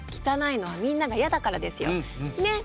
汚いのはみんなが嫌だからですよ。ね？